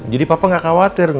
jadi papa gak khawatir